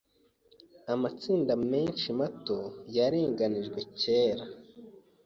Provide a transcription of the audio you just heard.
Amatsinda menshi mato yarenganijwe kera.